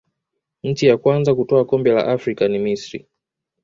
nchi ya kwanza kutwaa kombe la afrika ni misri